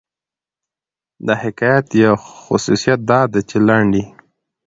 د حکایت یو خصوصیت دا دئ، چي لنډ يي.